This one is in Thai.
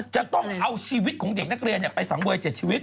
จะต้องเอาชีวิตของเด็กนักเรียนไปสังเวย๗ชีวิต